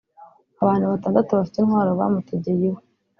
Abantu batandatu bafite intwaro bamutegeye iwe